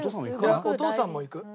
いやお父さんも行く。